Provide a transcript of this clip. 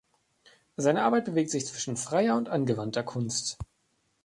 Seine Arbeit bewegt sich zwischen freier und angewandter Kunst.